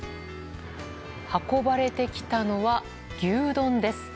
運ばれてきたのは牛丼です。